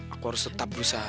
aku harus tetap berusaha